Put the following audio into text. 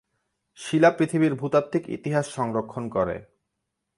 শিলা পৃথিবীর ভূতাত্ত্বিক ইতিহাস সংরক্ষণ করে।